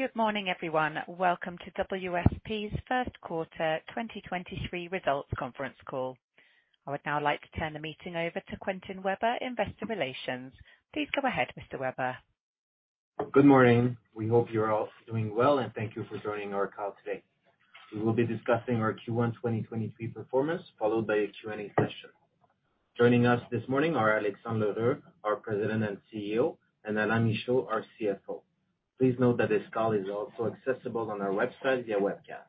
Good morning, everyone. Welcome to WSP's first quarter 2023 results conference call. I would now like to turn the meeting over to Quentin Weber, investor relations. Please go ahead, Mr. Weber. Good morning. We hope you're all doing well, thank you for joining our call today. We will be discussing our Q1 2023 performance, followed by a Q&A session. Joining us this morning are Alexandre L'Heureux, our President and CEO, and Alain Michaud, our CFO. Please note that this call is also accessible on our website via webcast.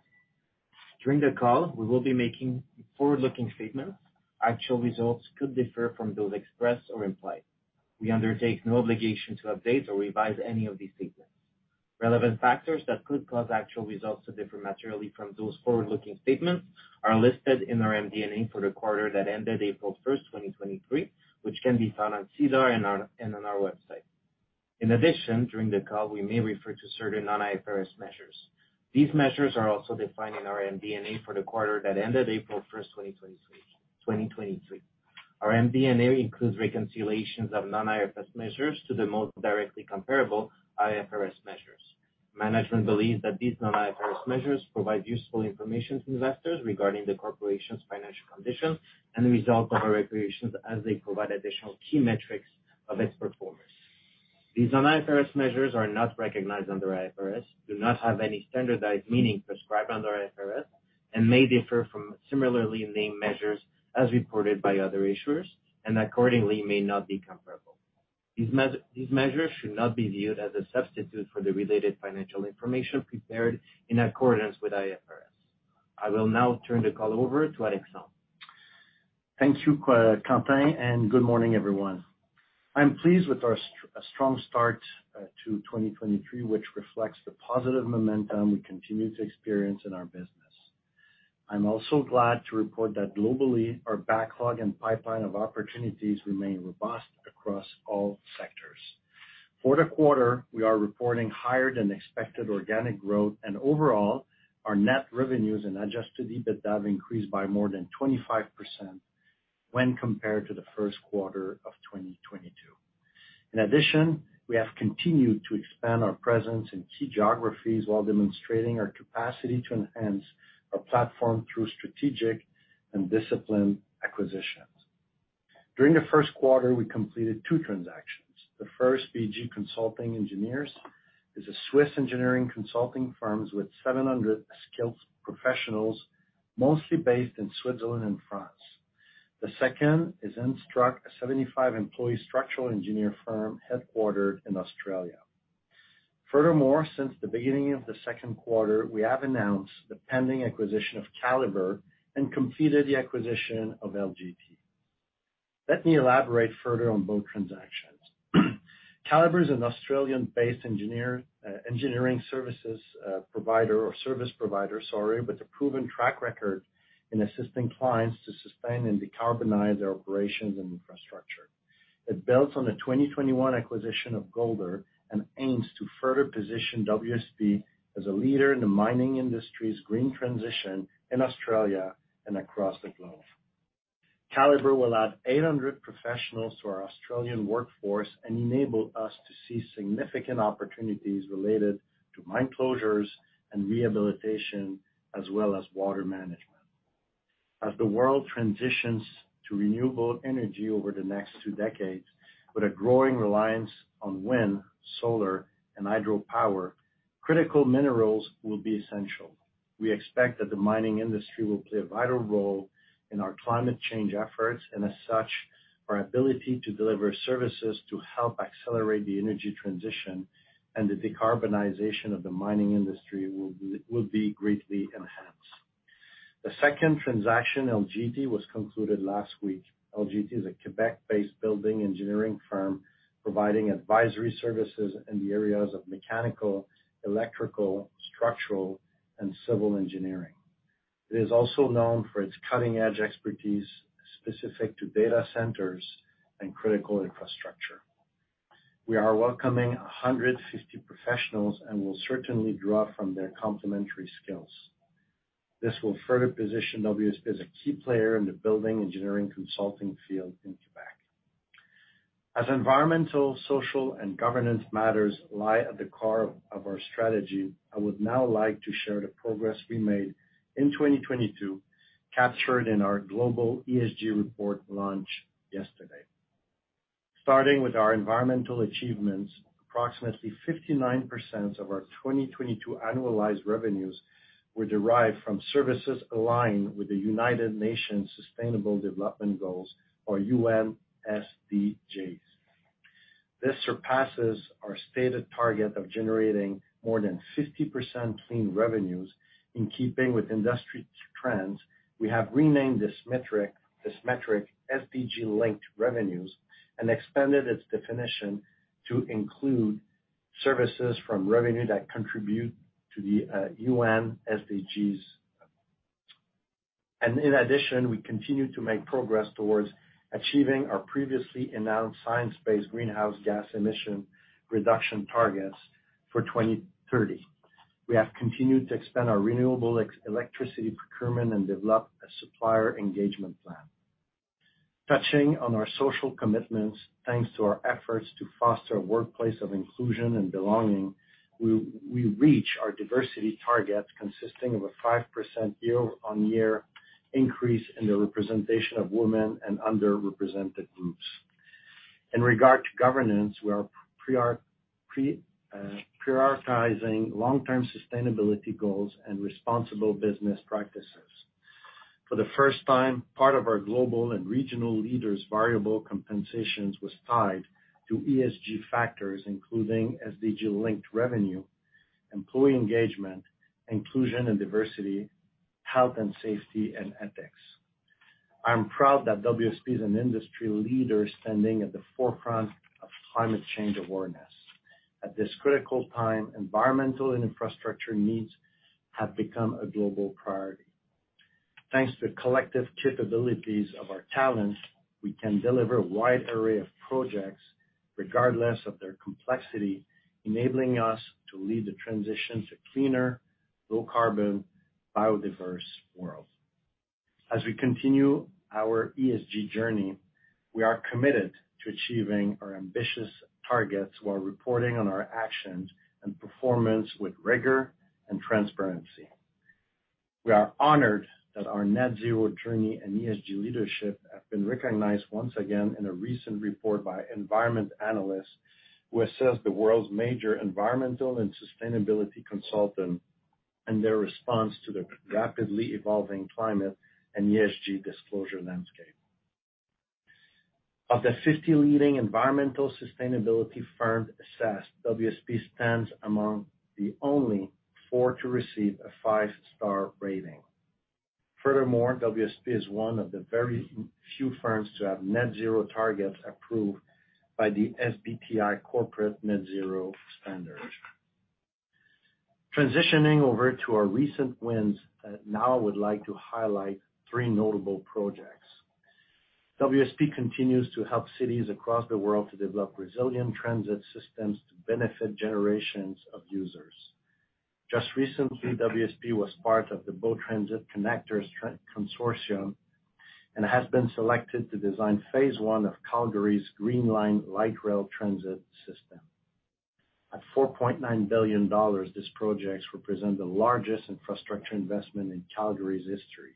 During the call, we will be making forward-looking statements. Actual results could differ from those expressed or implied. We undertake no obligation to update or revise any of these statements. Relevant factors that could cause actual results to differ materially from those forward-looking statements are listed in our MD&A for the quarter that ended April 1st, 2023, which can be found on SEDAR and on our website. In addition, during the call, we may refer to certain non-IFRS measures. These measures are also defined in our MD&A for the quarter that ended April 1st, 2023. Our MD&A includes reconciliations of non-IFRS measures to the most directly comparable IFRS measures. Management believes that these non-IFRS measures provide useful information to investors regarding the corporation's financial conditions and the results of our operations as they provide additional key metrics of its performance. These non-IFRS measures are not recognized under IFRS, do not have any standardized meaning prescribed under IFRS, and may differ from similarly named measures as reported by other issuers, and accordingly may not be comparable. These measures should not be viewed as a substitute for the related financial information prepared in accordance with IFRS. I will now turn the call over to Alexandre. Thank you, Quentin. Good morning, everyone. I'm pleased with our strong start to 2023, which reflects the positive momentum we continue to experience in our business. I'm also glad to report that globally, our backlog and pipeline of opportunities remain robust across all sectors. For the quarter, we are reporting higher than expected organic growth, and overall, our net revenues and Adjusted EBITDA have increased by more than 25% when compared to the first quarter of 2022. In addition, we have continued to expand our presence in key geographies while demonstrating our capacity to enhance our platform through strategic and disciplined acquisitions. During the first quarter, we completed two transactions. The first, BG Consulting Engineers, is a Swiss engineering consulting firms with 700 skilled professionals, mostly based in Switzerland and France. The second is enstruct, a 75-employee structural engineer firm headquartered in Australia. Furthermore, since the beginning of the second quarter, we have announced the pending acquisition of Calibre and completed the acquisition of LGT. Let me elaborate further on both transactions. Calibre is an Australian-based engineer, engineering services provider or service provider, sorry, with a proven track record in assisting clients to sustain and decarbonize their operations and infrastructure. It builds on the 2021 acquisition of Golder and aims to further position WSP as a leader in the mining industry's green transition in Australia and across the globe. Calibre will add 800 professionals to our Australian workforce and enable us to see significant opportunities related to mine closures and rehabilitation, as well as water management. As the world transitions to renewable energy over the next two decades with a growing reliance on wind, solar, and hydropower, critical minerals will be essential. We expect that the mining industry will play a vital role in our climate change efforts, as such, our ability to deliver services to help accelerate the energy transition and the decarbonization of the mining industry will be greatly enhanced. The second transaction, LGT, was concluded last week. LGT is a Quebec-based building engineering firm providing advisory services in the areas of mechanical, electrical, structural, and civil engineering. It is also known for its cutting-edge expertise specific to data centers and critical infrastructure. We are welcoming 150 professionals and will certainly draw from their complementary skills. This will further position WSP as a key player in the building engineering consulting field in Quebec. As environmental, social, and governance matters lie at the core of our strategy, I would now like to share the progress we made in 2022, captured in our global ESG report launch yesterday. Starting with our environmental achievements, approximately 59% of our 2022 annualized revenues were derived from services aligned with the United Nations Sustainable Development Goals or UN SDGs. This surpasses our stated target of generating more than 50% clean revenues. In keeping with industry trends, we have renamed this metric SDG-linked revenues and expanded its definition to include services from revenue that contribute to the UN SDGs. In addition, we continue to make progress towards achieving our previously announced science-based greenhouse gas emission reduction targets for 2030. We have continued to expand our renewable electricity procurement and develop a supplier engagement plan. Touching on our social commitments, thanks to our efforts to foster a workplace of inclusion and belonging, we reach our diversity target consisting of a 5% year-over-year increase in the representation of women and underrepresented groups. In regard to governance, we are prioritizing long-term sustainability goals and responsible business practices. For the first time, part of our global and regional leaders' variable compensations was tied to ESG factors, including SDG-linked revenue, employee engagement, inclusion and diversity, health and safety, and ethics. I'm proud that WSP is an industry leader standing at the forefront of climate change awareness. At this critical time, environmental and infrastructure needs have become a global priority. Thanks to the collective capabilities of our talents, we can deliver a wide array of projects regardless of their complexity, enabling us to lead the transition to cleaner, low carbon, biodiverse world. As we continue our ESG journey, we are committed to achieving our ambitious targets while reporting on our actions and performance with rigor and transparency. We are honored that our net zero journey and ESG leadership have been recognized once again in a recent report by Environment Analyst who assess the world's major environmental and sustainability consultant and their response to the rapidly evolving climate and ESG disclosure landscape. Of the 50 leading environmental sustainability firms assessed, WSP stands among the only four to receive a five-star rating. Furthermore, WSP is one of the very few firms to have net zero targets approved by the SBTi Corporate Net-Zero Standard. Transitioning over to our recent wins, I now would like to highlight three notable projects. WSP continues to help cities across the world to develop resilient transit systems to benefit generations of users. Just recently, WSP was part of the Bow Transit Connectors Consortium, and has been selected to design phase one of Calgary's Green Line light rail transit system. At 4.9 billion dollars, this project represent the largest infrastructure investment in Calgary's history.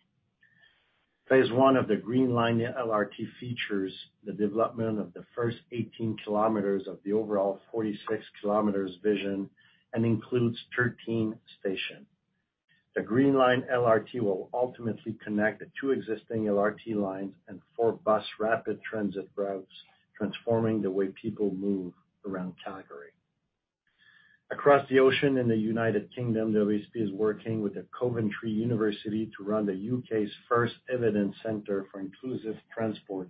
Phase one of the Green Line LRT features the development of the first 18 km of the overall 46 km vision and includes 13 stations. The Green Line LRT will ultimately connect the two existing LRT lines and four bus rapid transit routes, transforming the way people move around Calgary. Across the ocean in the United Kingdom, WSP is working with the Coventry University to run the U.K.'s first Evidence Center for Inclusive Transport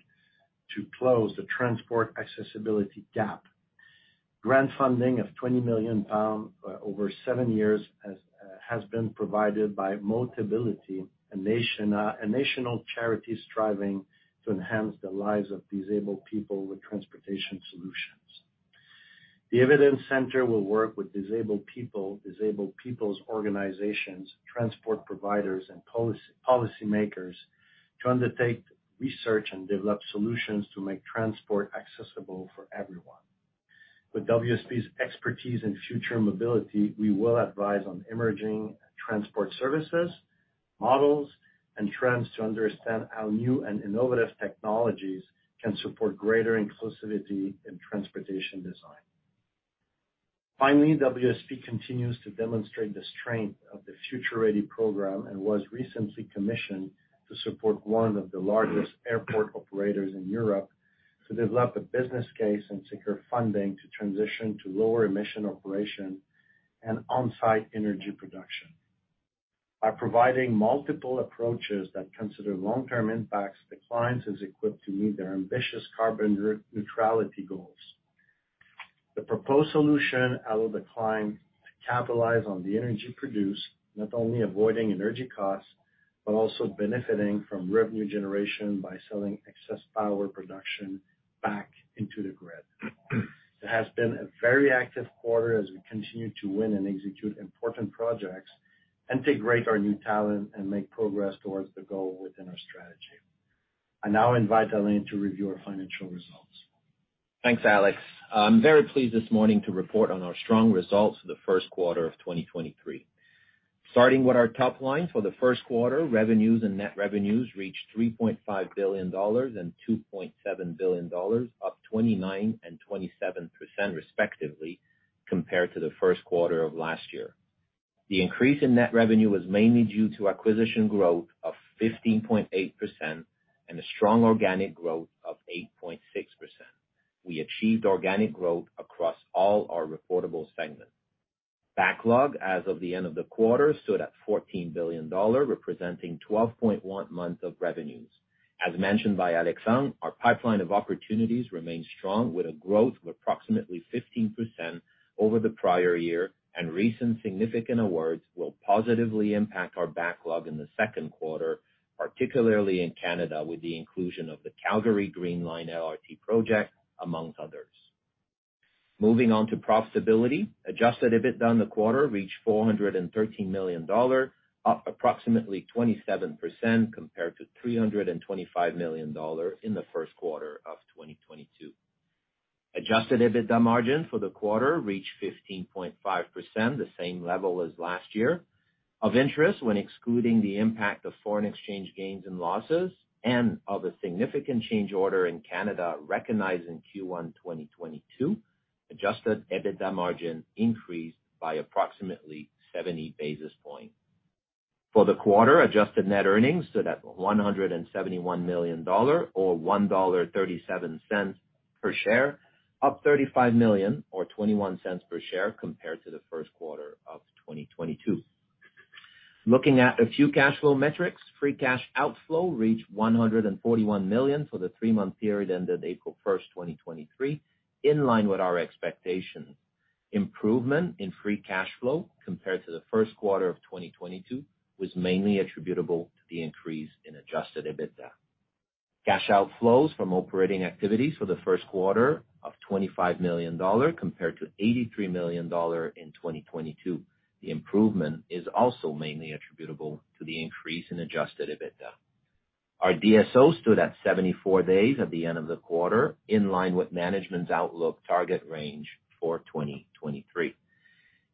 to close the transport accessibility gap. Grant funding of 20 million pounds over seven years has been provided by Motability, a national charity striving to enhance the lives of disabled people with transportation solutions. The Evidence Center will work with disabled people, disabled people's organizations, transport providers, and policy makers to undertake research and develop solutions to make transport accessible for everyone. With WSP's expertise in future mobility, we will advise on emerging transport services, models, and trends to understand how new and innovative technologies can support greater inclusivity in transportation design. Finally, WSP continues to demonstrate the strength of the Future Ready program and was recently commissioned to support one of the largest airport operators in Europe to develop a business case and secure funding to transition to lower emission operation and on-site energy production. By providing multiple approaches that consider long-term impacts, the client is equipped to meet their ambitious carbon neutrality goals. The proposed solution allow the client to capitalize on the energy produced, not only avoiding energy costs, but also benefiting from revenue generation by selling excess power production back into the grid. It has been a very active quarter as we continue to win and execute important projects, integrate our new talent, and make progress towards the goal within our strategy. I now invite Alain to review our financial results. Thanks, Alex. I'm very pleased this morning to report on our strong results for the first quarter of 2023. Starting with our top line, for the first quarter, revenues and net revenues reached 3.5 billion dollars and 2.7 billion dollars, up 29% and 27% respectively, compared to the first quarter of last year. The increase in net revenue was mainly due to acquisition growth of 15.8% and a strong organic growth of 8.6%. We achieved organic growth across all our reportable segments. Backlog as of the end of the quarter stood at 14 billion dollar, representing 12.1 months of revenues. As mentioned by Alexandre, our pipeline of opportunities remains strong with a growth of approximately 15% over the prior year. Recent significant awards will positively impact our backlog in the second quarter, particularly in Canada with the inclusion of the Calgary Green Line LRT project, amongst others. Moving on to profitability. Adjusted EBITDA in the quarter reached 413 million dollar, up approximately 27% compared to 325 million dollar in the first quarter of 2022. Adjusted EBITDA margin for the quarter reached 15.5%, the same level as last year. Of interest, when excluding the impact of foreign exchange gains and losses and of a significant change order in Canada recognized in Q1 2022, adjusted EBITDA margin increased by approximately 70 basis points. For the quarter, adjusted net earnings stood at $171 million or $1.37 per share, up $35 million or $0.21 per share compared to the first quarter of 2022. Looking at a few cash flow metrics, free cash outflow reached $141 million for the three-month period ended April 1st, 2023, in line with our expectations. Improvement in free cash flow compared to the first quarter of 2022 was mainly attributable to the increase in Adjusted EBITDA. Cash outflows from operating activities for the first quarter of $25 million compared to $83 million in 2022. The improvement is also mainly attributable to the increase in Adjusted EBITDA. Our DSOs stood at 74 days at the end of the quarter, in line with management's outlook target range for 2023.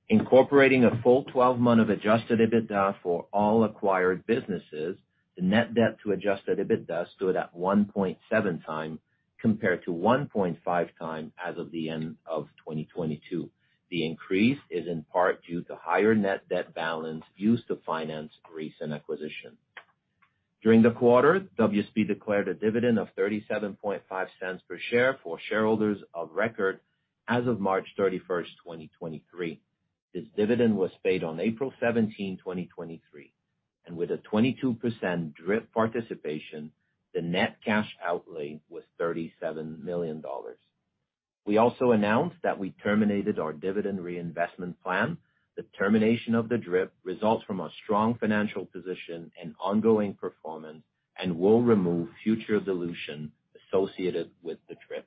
Incorporating a full 12-month of Adjusted EBITDA for all acquired businesses, the net debt to Adjusted EBITDA stood at 1.7x compared to 1.5x as of the end of 2022. The increase is in part due to higher net debt balance used to finance recent acquisition. During the quarter, WSP declared a dividend of 0.375 per share for shareholders of record as of March 31, 2023. This dividend was paid on April 17, 2023. With a 22% DRIP participation, the net cash outlay was 37 million dollars. We also announced that we terminated our dividend reinvestment plan. The termination of the DRIP results from a strong financial position and ongoing performance and will remove future dilution associated with the DRIP.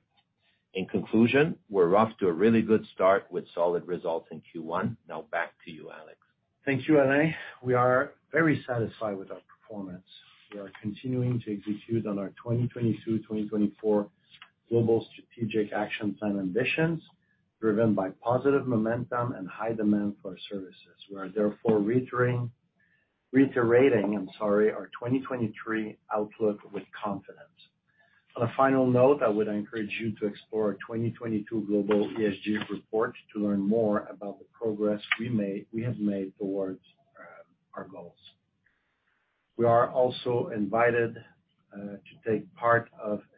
In conclusion, we're off to a really good start with solid results in Q1. Now back to you, Alex. Thank you, Alain. We are very satisfied with our performance. We are continuing to execute on our 2022, 2024 global strategic action plan ambitions, driven by positive momentum and high demand for our services. We are reiterating, I'm sorry, our 2023 outlook with confidence. On a final note, I would encourage you to explore our 2022 global ESG report to learn more about the progress we have made towards our goals. We are also invited to take part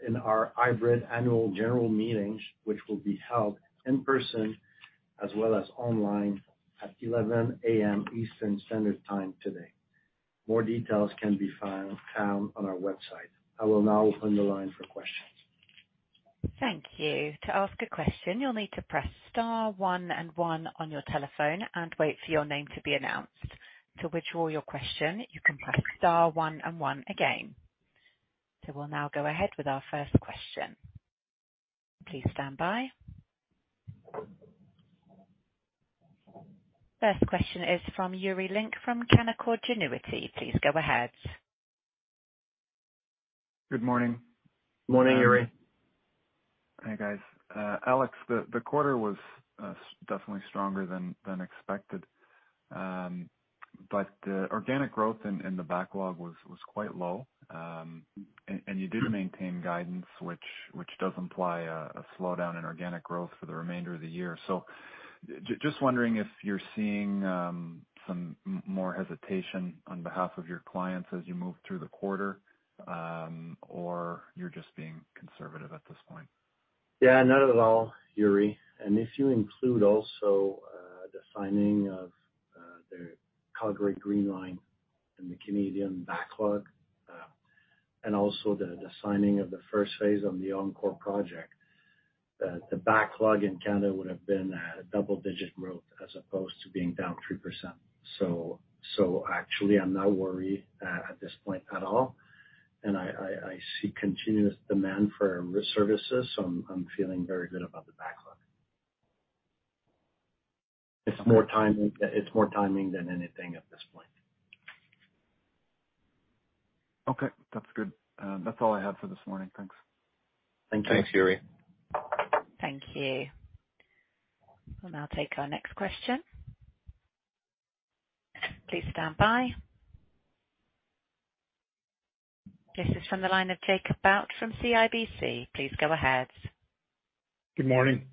in our hybrid annual general meetings, which will be held in person as well as online at 11:00 A.M. Eastern Standard Time today. More details can be found on our website. I will now open the line for questions. Thank you. To ask a question, you'll need to press star one and one on your telephone and wait for your name to be announced. To withdraw your question, you can press star one and one again. We'll now go ahead with our first question. Please stand by. First question is from Yuri Lynk from Canaccord Genuity. Please go ahead. Good morning. Morning, Yuri. Hi, guys. Alex, the quarter was definitely stronger than expected. Organic growth in the backlog was quite low. And you did maintain guidance, which does imply a slowdown in organic growth for the remainder of the year. Just wondering if you're seeing some more hesitation on behalf of your clients as you move through the quarter, or you're just being conservative at this point. Yeah, not at all, Yuri. If you include also, the signing of the Calgary Green Line and the Canadian backlog, and also the signing of the first phase on the Encore project, the backlog in Canada would have been at a double-digit growth as opposed to being down 3%. Actually, I'm not worried at this point at all. I see continuous demand for risk services, so I'm feeling very good about the backlog. It's more timing than anything at this point. Okay, that's good. That's all I had for this morning. Thanks. Thank you. Thanks, Yuri. Thank you. We'll now take our next question. Please stand by. This is from the line of Jacob Bout from CIBC. Please go ahead. Good morning.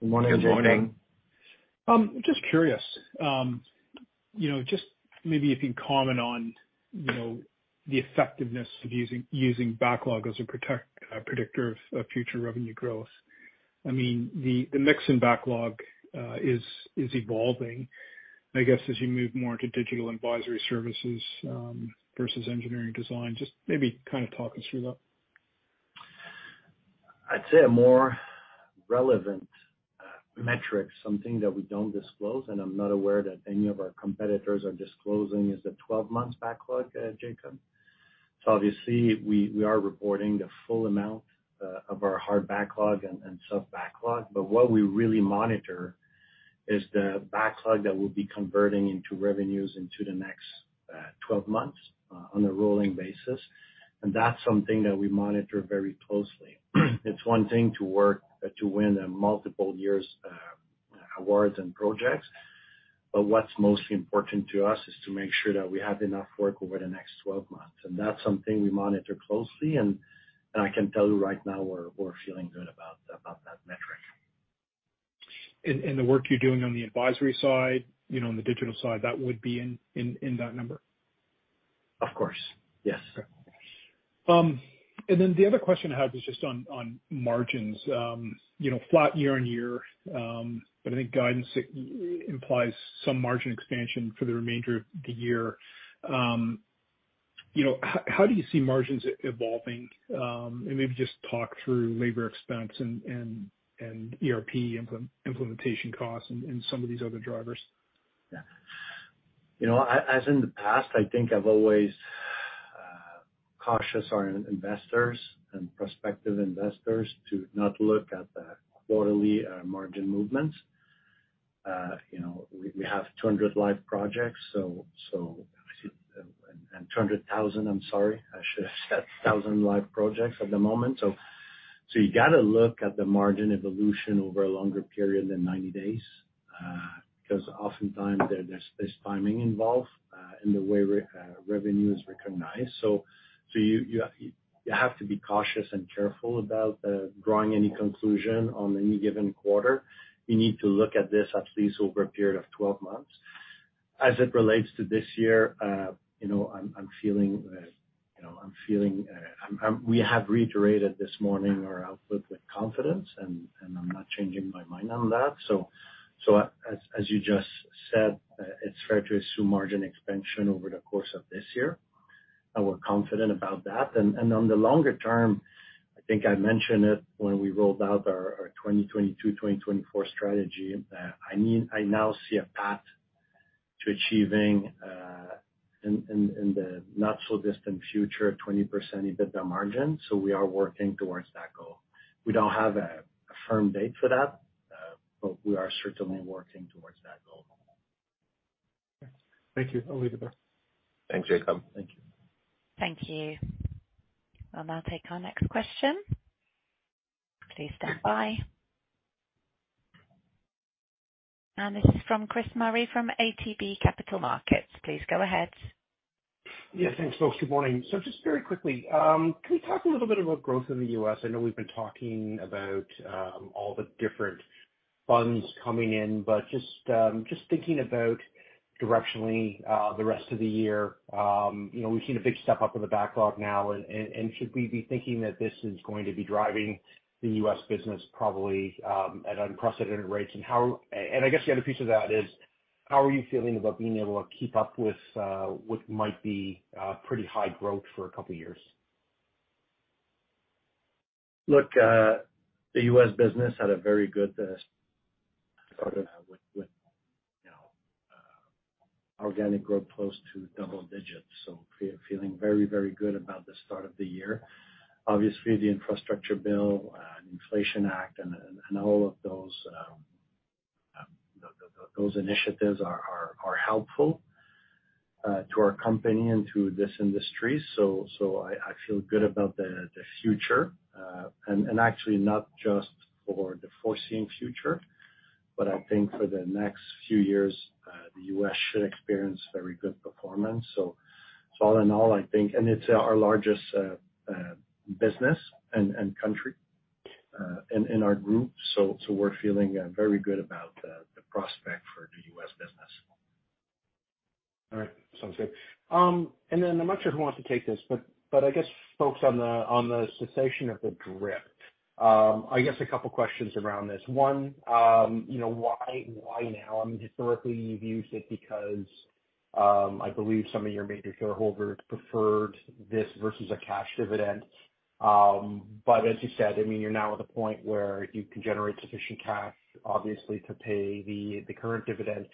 Good morning, Jacob. Good morning. Just curious, you know, just maybe if you can comment on, you know, the effectiveness of using backlog as a predictor of future revenue growth? I mean, the mix in backlog is evolving, I guess, as you move more into digital advisory services versus engineering design. Just maybe kind of talk us through that. I'd say a more relevant metric, something that we don't disclose, and I'm not aware that any of our competitors are disclosing, is the 12 months backlog, Jacob. Obviously we are reporting the full amount of our hard backlog and soft backlog, but what we really monitor is the backlog that we'll be converting into revenues into the next 12 months on a rolling basis. That's something that we monitor very closely. It's one thing to win a multiple years awards and projects, but what's most important to us is to make sure that we have enough work over the next 12 months. That's something we monitor closely, and I can tell you right now we're feeling good about that metric. In the work you're doing on the advisory side, you know, on the digital side, that would be in that number? Of course, yes. The other question I have is just on margins. You know, flat year on year, I think guidance implies some margin expansion for the remainder of the year. You know, how do you see margins evolving, maybe just talk through labor expense and, and ERP implementation costs and some of these other drivers? Yeah. You know, as in the past, I think I've always cautious our investors and prospective investors to not look at the quarterly margin movements. You know, we have 200 live projects, so, 200,000, I'm sorry. I should have said thousand live projects at the moment. You gotta look at the margin evolution over a longer period than 90 days because oftentimes there's timing involved in the way revenue is recognized. You have to be cautious and careful about drawing any conclusion on any given quarter. You need to look at this at least over a period of 12 months. As it relates to this year, you know, I'm feeling, you know. We have reiterated this morning our outlook with confidence, and I'm not changing my mind on that. As you just said, it's fair to assume margin expansion over the course of this year, and we're confident about that. On the longer term, I think I mentioned it when we rolled out our 2022/2024 strategy, I mean, I now see a path to achieving in the not so distant future, 20% EBITDA margin. We are working towards that goal. We don't have a firm date for that, but we are certainly working towards that goal. Thank you. I'll leave it there. Thanks, Jacob. Thank you. Thank you. I'll now take our next question. Please stand by. This is from Chris Murray from ATB Capital Markets. Please go ahead. Yeah, thanks, folks. Good morning. Just very quickly, can you talk a little bit about growth in the U.S.? I know we've been talking about all the different funds coming in, but just thinking about directionally, the rest of the year, you know, we've seen a big step up in the backlog now and should we be thinking that this is going to be driving the U.S. business probably at unprecedented rates? I guess the other piece of that is how are you feeling about being able to keep up with what might be pretty high growth for a couple years? Look, the U.S. business had a very good start with, you know, organic growth close to double digits, so feeling very good about the start of the year. Obviously, the infrastructure bill and inflation act and all of those initiatives are helpful to our company and to this industry. I feel good about the future, and actually not just for the foreseen future, but I think for the next few years, the U.S. should experience very good performance. All in all, I think. It's our largest business and country in our group. We're feeling very good about the prospect for the U.S. business. All right. Sounds good. I'm not sure who wants to take this, but I guess folks on the cessation of the DRIP, I guess a couple questions around this. One, you know, why now? I mean, historically, you've used it because, I believe some of your major shareholders preferred this versus a cash dividend. As you said, I mean, you're now at the point where you can generate sufficient cash, obviously, to pay the current dividend.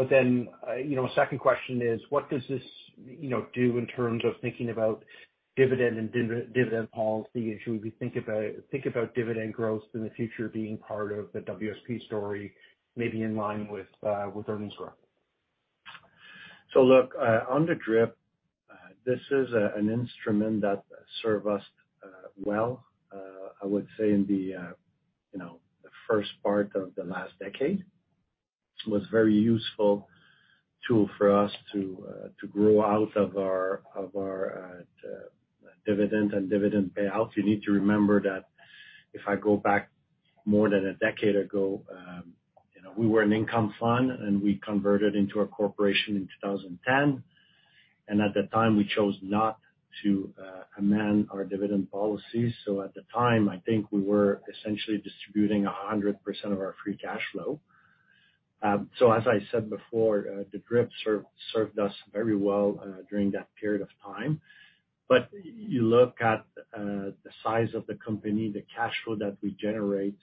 You know, a second question is, what does this, you know, do in terms of thinking about dividend and dividend policy? Should we think about dividend growth in the future being part of the WSP story, maybe in line with earnings growth? Look, on the DRIP, this is an instrument that serve us well, I would say in the, you know, the first part of the last decade. Was very useful tool for us to grow out of our, of our, dividend and dividend payouts. You need to remember that if I go back more than a decade ago, you know, we were an income fund, and we converted into a corporation in 2010. At the time, we chose not to amend our dividend policy. At the time, I think we were essentially distributing 100% of our free cash flow. As I said before, the DRIP served us very well during that period of time. You look at the size of the company, the cash flow that we generate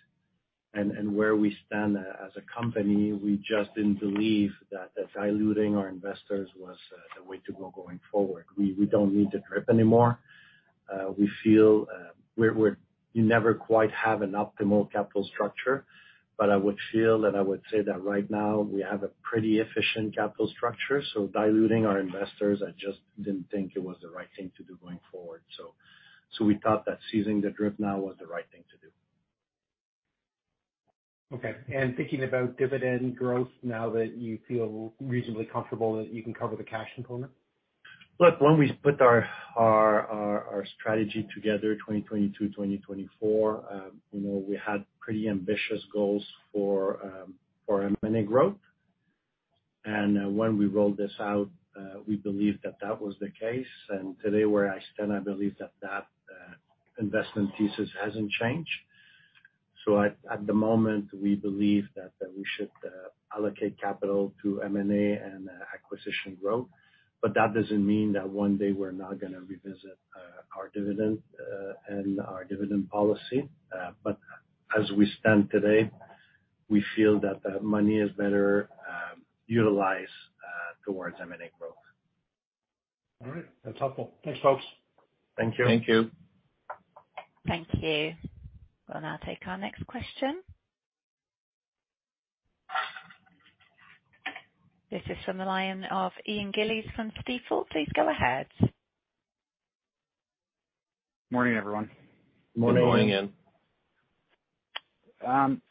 and where we stand as a company, we just didn't believe that diluting our investors was the way to go going forward. We don't need the DRIP anymore. We feel we're. You never quite have an optimal capital structure, but I would say that right now we have a pretty efficient capital structure, so diluting our investors, I just didn't think it was the right thing to do going forward. We thought that ceasing the DRIP now was the right thing to do. Okay. Thinking about dividend growth now that you feel reasonably comfortable that you can cover the cash component? Look, when we put our strategy together, 2022, 2024, you know, we had pretty ambitious goals for M&A growth. When we rolled this out, we believed that that was the case. Today, where I stand, I believe that that investment thesis hasn't changed. At the moment, we believe that we should allocate capital to M&A and acquisition growth. That doesn't mean that one day we're not gonna revisit our dividend and our dividend policy. As we stand today, we feel that that money is better utilized towards M&A growth. All right. That's helpful. Thanks, folks. Thank you. Thank you. Thank you. We'll now take our next question. This is from the line of Ian Gillies from Stifel. Please go ahead. Morning, everyone. Morning, Ian. Morning.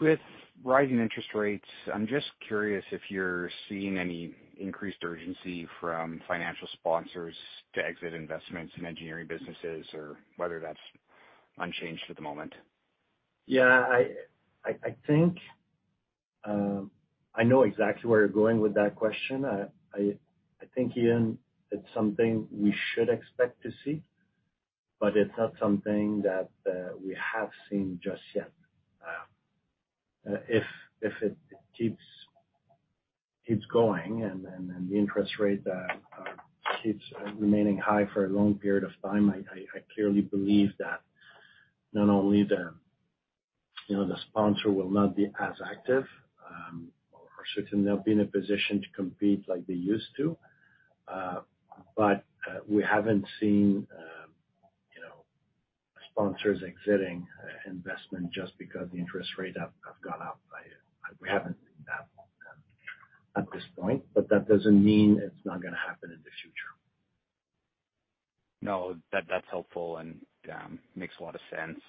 With rising interest rates, I'm just curious if you're seeing any increased urgency from financial sponsors to exit investments in engineering businesses or whether that's unchanged at the moment? Yeah, I think, I know exactly where you're going with that question. I think, Ian, it's something we should expect to see, but it's not something that we have seen just yet. If it keeps going and the interest rate keeps remaining high for a long period of time, I clearly believe that not only the, you know, the sponsor will not be as active, or certainly not be in a position to compete like they used to, but we haven't seen, you know, sponsors exiting investment just because the interest rate have gone up. We haven't seen that at this point, but that doesn't mean it's not gonna happen in the future. No, that's helpful and makes a lot of sense.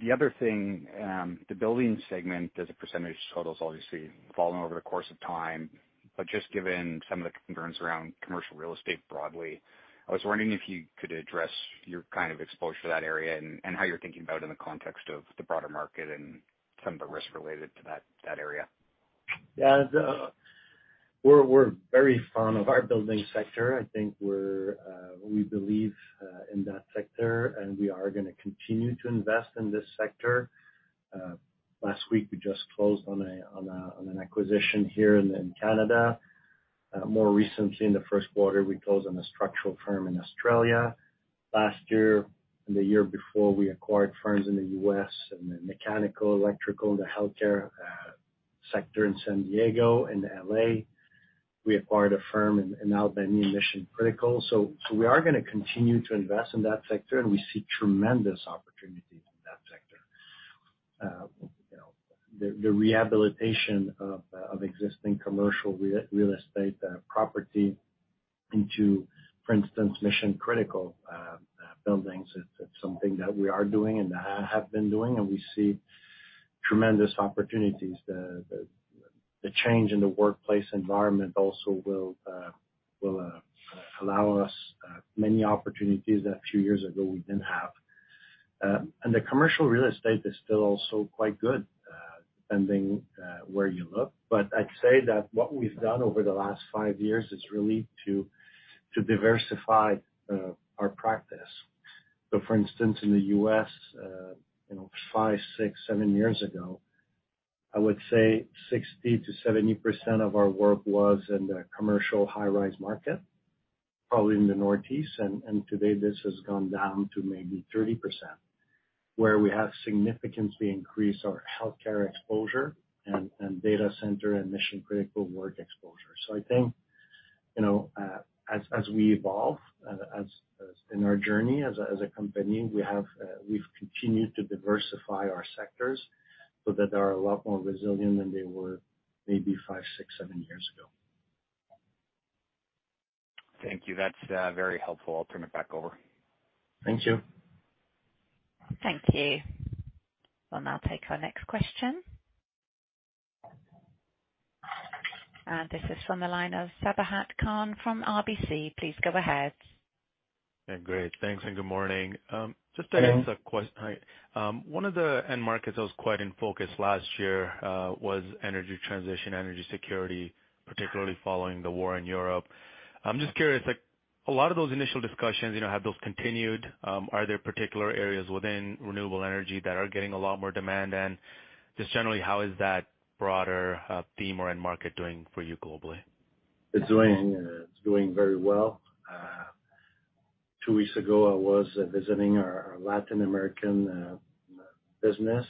The other thing, the building segment as a percentage total has obviously fallen over the course of time, but just given some of the concerns around commercial real estate broadly, I was wondering if you could address your kind of exposure to that area and how you're thinking about in the context of the broader market and some of the risks related to that area? Yeah, we're very fond of our building sector. I think we're, we believe in that sector, and we are gonna continue to invest in this sector. Last week, we just closed on an acquisition here in Canada. More recently, in the first quarter, we closed on a structural firm in Australia. Last year and the year before, we acquired firms in the U.S. in the mechanical, electrical, and the healthcare sector in San Diego and L.A. We acquired a firm in Albany, mission critical. We are gonna continue to invest in that sector and we see tremendous opportunities in that sector. You know, the rehabilitation of existing commercial real estate property into, for instance, mission critical buildings is something that we are doing and have been doing and we see tremendous opportunities. The change in the workplace environment also will allow us many opportunities that a few years ago we didn't have. The commercial real estate is still also quite good, depending where you look. I'd say that what we've done over the last five years is really to diversify our practice. For instance, in the U.S., you know, five, six, seven years ago, I would say 60%-70% of our work was in the commercial high-rise market, probably in the Northeast. Today this has gone down to maybe 30%, where we have significantly increased our healthcare exposure and data center and mission-critical work exposure. I think, you know, as we evolve, as in our journey as a company, we have, we've continued to diversify our sectors so that they are a lot more resilient than they were maybe five, six, seven years ago. Thank you. That's very helpful. I'll turn it back over. Thank you. Thank you. We'll now take our next question. This is from the line of Sabahat Khan from RBC. Please go ahead. Yeah, great. Thanks and good morning. Just to ask a. Hello. Hi. One of the end markets that was quite in focus last year, was energy transition, energy security, particularly following the war in Europe. I'm just curious, like a lot of those initial discussions, you know, have those continued? Are there particular areas within renewable energy that are getting a lot more demand? Just generally, how is that broader, theme or end market doing for you globally? It's doing very well. Two weeks ago, I was visiting our Latin American business.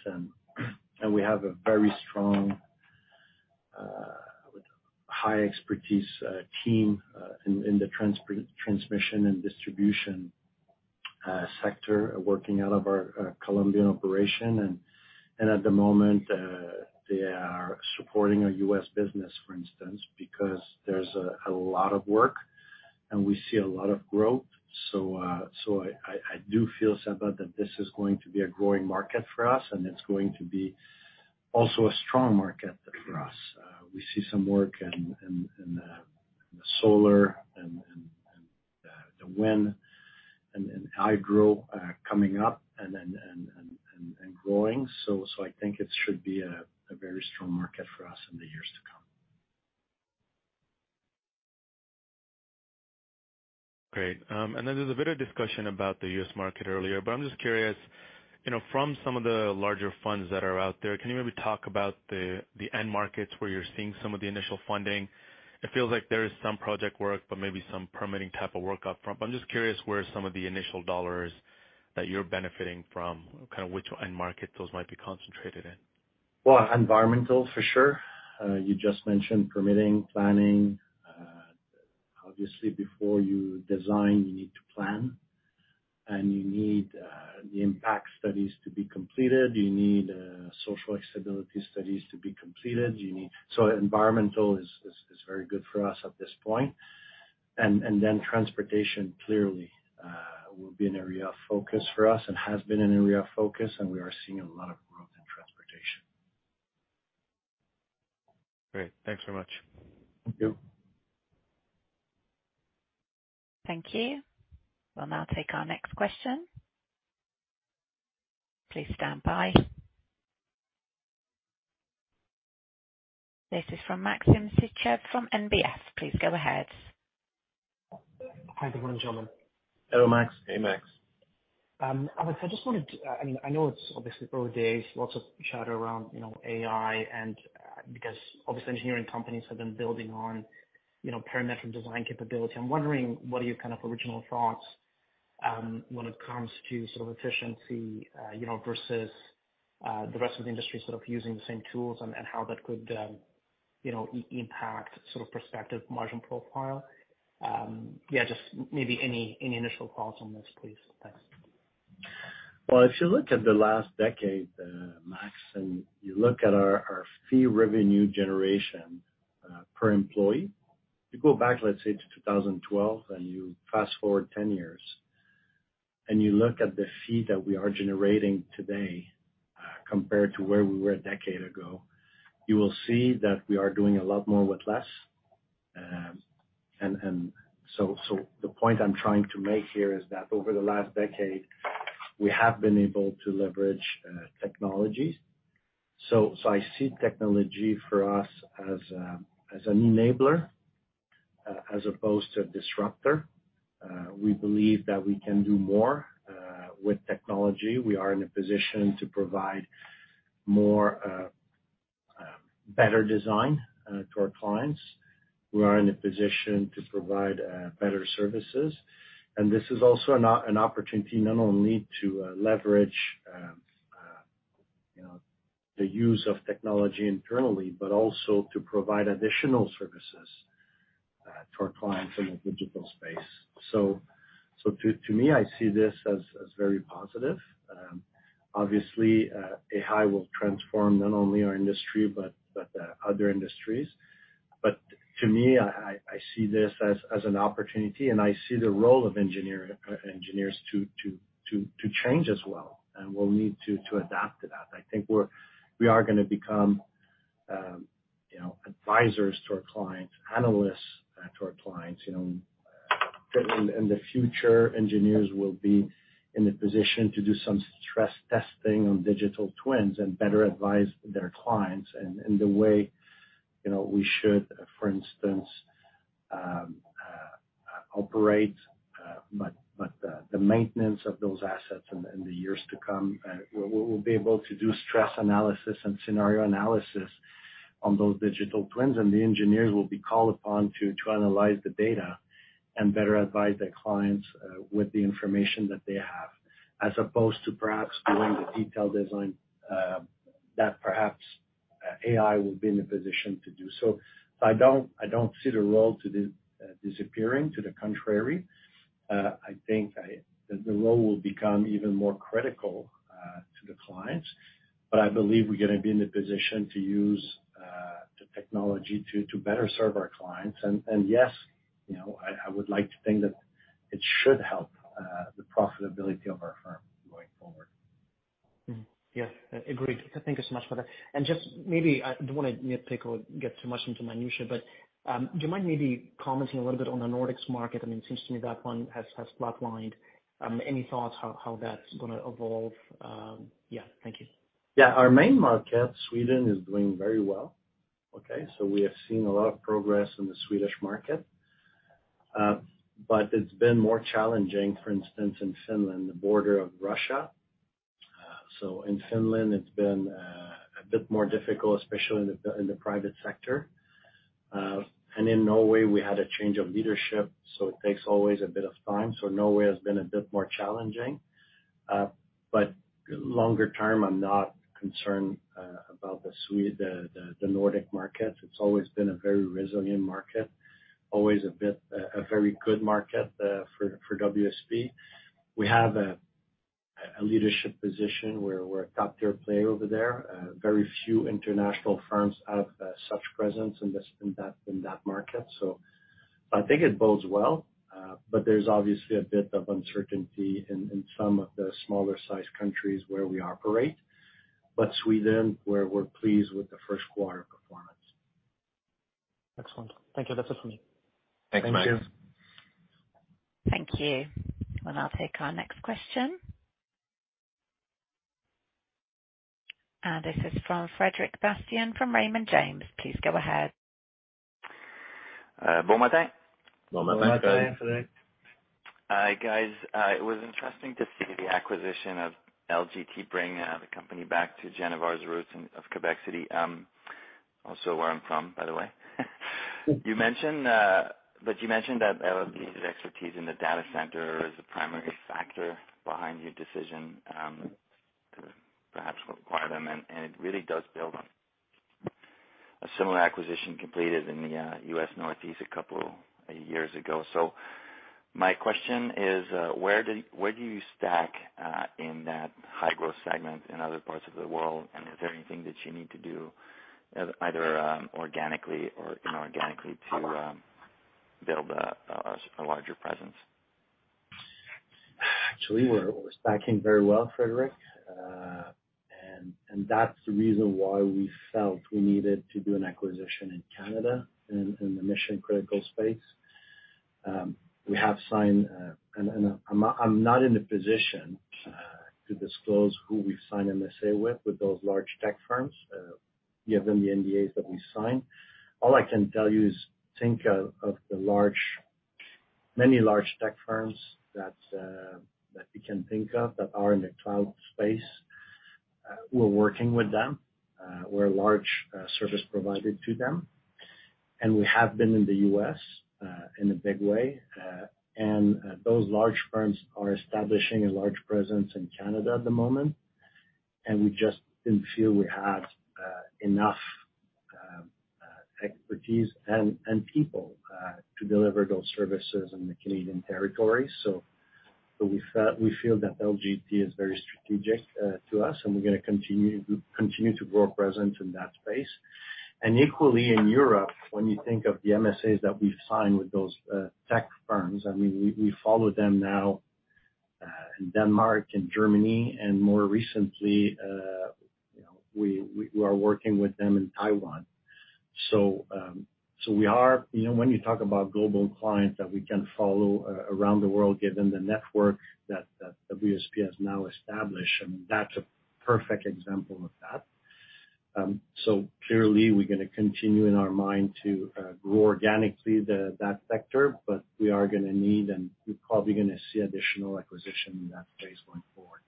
We have a very strong, high expertise team in the trans-transmission and distribution sector working out of our Colombian operation. At the moment, they are supporting our U.S. business, for instance, because there's a lot of work and we see a lot of growth. I do feel, Sabahat, that this is going to be a growing market for us, and it's going to be also a strong market for us. We see some work in the solar and the wind and agro, coming up and then growing. I think it should be a very strong market for us in the years to come. Great. There's a bit of discussion about the U.S. market earlier, I'm just curious, you know, from some of the larger funds that are out there, can you maybe talk about the end markets where you're seeing some of the initial funding? It feels like there is some project work but maybe some permitting type of work up front. I'm just curious where some of the initial dollars that you're benefiting from, kind of which end market those might be concentrated in. Well, environmental for sure. You just mentioned permitting, planning. Obviously before you design, you need to plan, and you need the impact studies to be completed. You need social stability studies to be completed. Environmental is very good for us at this point. Then transportation clearly will be an area of focus for us and has been an area of focus. We are seeing a lot of growth in transportation. Great. Thanks so much. Thank you. Thank you. We'll now take our next question. Please stand by. This is from Maxim Sytchev from NBS. Please go ahead. Hi. Good morning, gentlemen. Hello, Max. Hey, Max. Alex, I just wanted to, I mean, I know it's obviously early days, lots of chatter around, you know, AI and because obviously engineering companies have been building on, you know, parametric design capability. I'm wondering, what are your kind of original thoughts when it comes to sort of efficiency, you know, versus the rest of the industry sort of using the same tools and how that could, you know, impact sort of prospective margin profile? Yeah, just maybe any initial thoughts on this, please. Thanks. If you look at the last decade, Max, and you look at our fee revenue generation per employee, you go back, let’s say, to 2012, and you fast-forward 10 years, and you look at the fee that we are generating today, compared to where we were a decade ago, you will see that we are doing a lot more with less. So the point I'm trying to make here is that over the last decade, we have been able to leverage technologies. So I see technology for us as an enabler, as opposed to a disruptor. We believe that we can do more with technology. We are in a position to provide more, better design to our clients. We are in a position to provide better services. This is also an opportunity not only to leverage, you know, the use of technology internally, but also to provide additional services to our clients in the digital space. To me, I see this as very positive. Obviously, AI will transform not only our industry but other industries. To me, I see this as an opportunity, and I see the role of engineers to change as well, and we'll need to adapt to that. I think we are gonna become, you know, advisors to our clients, analysts to our clients. You know, in the future, engineers will be in a position to do some stress testing on digital twins and better advise their clients and in the way, you know, we should, for instance, operate. The maintenance of those assets in the years to come, we'll be able to do stress analysis and scenario analysis on those digital twins, and the engineers will be called upon to analyze the data and better advise their clients, with the information that they have, as opposed to perhaps doing the detailed design, that perhaps AI will be in a position to do so. I don't see the role disappearing. To the contrary, I think, the role will become even more critical, to the clients. I believe we're gonna be in a position to use the technology to better serve our clients. Yes, you know, I would like to think that it should help the profitability of our firm going forward. Mm-hmm. Yes, agreed. Thank you so much for that. Just maybe, don't wanna nitpick or get too much into minutiae, but, do you mind maybe commenting a little bit on the Nordics market? I mean, it seems to me that one has flatlined. Any thoughts how that's gonna evolve? Yeah. Thank you. Our main market, Sweden, is doing very well. Okay? We have seen a lot of progress in the Swedish market. It's been more challenging, for instance, in Finland, the border of Russia. In Finland, it's been a bit more difficult, especially in the, in the private sector. In Norway, we had a change of leadership, it takes always a bit of time. Norway has been a bit more challenging. Longer term, I'm not concerned about the Nordic market. It's always been a very resilient market, always a very good market for WSP. We have a leadership position. We're a top-tier player over there. Very few international firms have such presence in that market. I think it bodes well, but there's obviously a bit of uncertainty in some of the smaller sized countries where we operate. Sweden, we're pleased with the first quarter performance. Excellent. Thank you. That's it for me. Thanks, Max. Thank you. Thank you. I'll take our next question. This is from Frederic Bastien from Raymond James. Please go ahead. bon matin. Bon matin, Frederic. Hi, guys. It was interesting to see the acquisition of LGT bring the company back to Genivar's roots of Quebec City. Also where I'm from, by the way. You mentioned that LGT's expertise in the data center is a primary factor behind your decision to perhaps acquire them. It really does build on a similar acquisition completed in the U.S. Northeast a couple years ago. My question is, where do you stack in that high-growth segment in other parts of the world? Is there anything that you need to do either organically or inorganically to build a larger presence? Actually, we're stacking very well, Frederic. That's the reason why we felt we needed to do an acquisition in Canada in the mission-critical space. We have signed. I'm not in a position to disclose who we've signed MSA with those large tech firms, given the NDAs that we sign. All I can tell you is think of many large tech firms that you can think of that are in the cloud space. We're working with them. We're a large service provider to them, and we have been in the U.S. in a big way. Those large firms are establishing a large presence in Canada at the moment, and we just didn't feel we had enough expertise and people to deliver those services in the Canadian territory. We feel that LGT is very strategic to us, and we're gonna continue to grow our presence in that space. Equally, in Europe, when you think of the MSAs that we've signed with those tech firms, I mean, we follow them now in Denmark and Germany, and more recently, you know, we are working with them in Taiwan. We are, you know, when you talk about global clients that we can follow around the world given the network that WSP has now established, and that's a perfect example of that. Clearly we're gonna continue in our mind to grow organically that sector, but we are gonna need, and we're probably gonna see additional acquisition in that space going forward.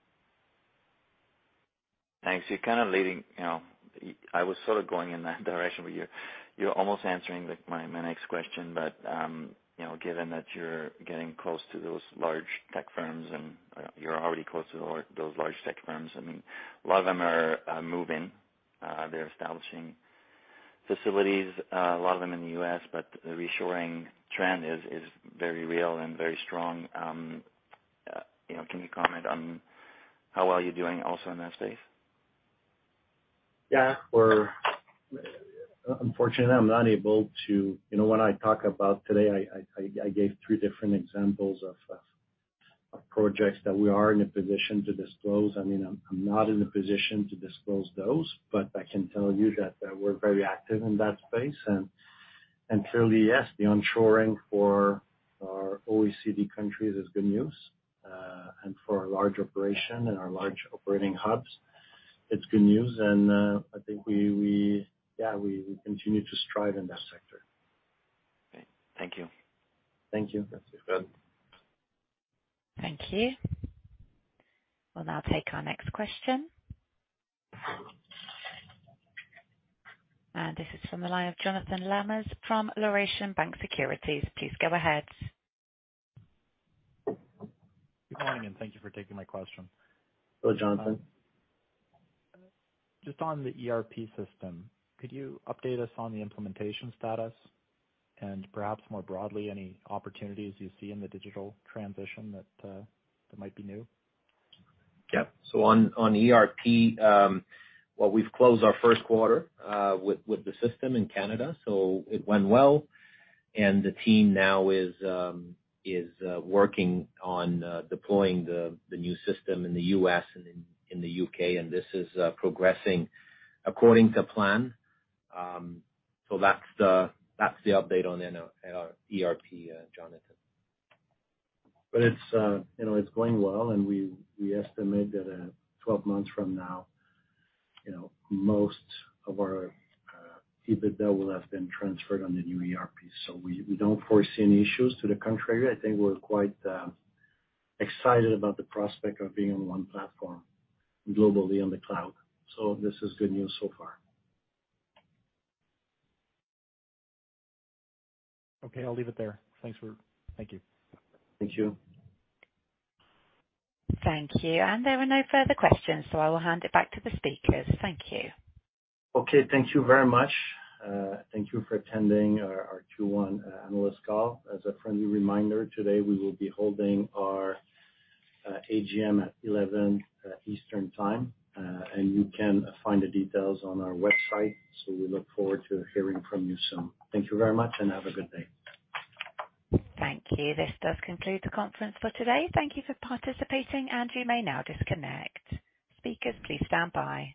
Thanks. You're kind of leading, you know. I was sort of going in that direction with you. You're almost answering my next question. You know, given that you're getting close to those large tech firms and you're already close to those large tech firms, I mean, a lot of them are moving. They're establishing facilities, a lot of them in the U.S., but the reshoring trend is very real and very strong. You know, can you comment on how well you're doing also in that space? Yeah. Unfortunately, I'm not able to. You know, when I talk about today, I gave three different examples of projects that we are in a position to disclose. I mean, I'm not in a position to disclose those, but I can tell you that we're very active in that space. Clearly, yes, the onshoring for our OECD countries is good news, and for our large operation and our large operating hubs, it's good news. I think we, yeah, we continue to strive in that sector. Okay. Thank you. Thank you. Thanks. Good. Thank you. We'll now take our next question. This is from the line of Jonathan Lamers from Laurentian Bank Securities. Please go ahead. Good morning, and thank you for taking my question. Hello, Jonathan. Just on the ERP system, could you update us on the implementation status and perhaps more broadly any opportunities you see in the digital transition that might be new? Yeah. On ERP, well, we've closed our first quarter with the system in Canada. It went well. The team now is working on deploying the new system in the U.S. and in the U.K., and this is progressing according to plan. That's the update on our ERP, Jonathan. It's, you know, it's going well. We estimate that 12 months from now, you know, most of our EBITDA will have been transferred on the new ERP. We don't foresee any issues. To the contrary, I think we're quite excited about the prospect of being on one platform globally on the cloud. This is good news so far. Okay, I'll leave it there. Thanks both Thank you. Thank you. Thank you. There were no further questions. I will hand it back to the speakers. Thank you. Okay, thank you very much. Thank you for attending our Q1 analyst call. As a friendly reminder, today we will be holding our AGM at 11:00 A.M. Eastern time. You can find the details on our website. We look forward to hearing from you soon. Thank you very much and have a good day. Thank you. This does conclude the conference for today. Thank you for participating, and you may now disconnect. Speakers, please stand by.